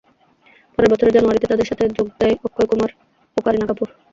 পরের বছরের জানুয়ারিতে তাদের সাথে যোগ দেন অক্ষয় কুমার ও কারিনা কাপুর।